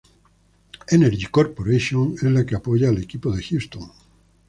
Energy Corporation es la que apoya al equipo de Houston.